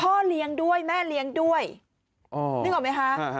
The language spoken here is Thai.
พ่อเลี้ยงด้วยแม่เลี้ยงด้วยนึกออกไหมคะ